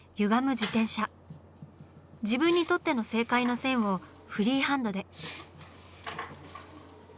自分にとっての正解の線をフリーハンドで。